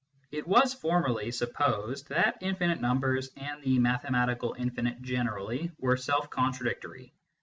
It was formerly supposed that infinite numbers, and the mathematical infinite generally, were self contradictory.